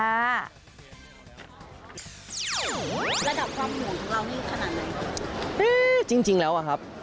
ระดับความห่วงของเรานี่ขนาดไหนครับจริงจริงแล้วอ่ะครับ